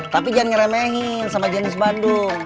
tapi jangan ngeremehin sama jenis bandung